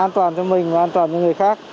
an toàn cho mình và an toàn cho người khác